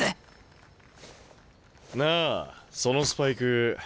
なあそのスパイク。